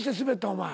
お前。